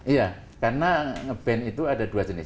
iya karena nge ban itu ada dua jenis